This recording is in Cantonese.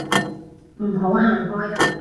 唔好行開啊